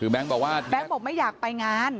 แบงค์บอกไม่อยากไปงาน